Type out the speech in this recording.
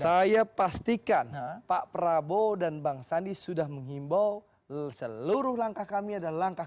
saya pastikan pak prabowo dan bang sandi sudah menghimbau seluruh langkah kami adalah langkah